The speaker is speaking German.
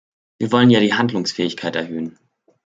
Wir wollen ja die Handlungsfähigkeit erhöhen.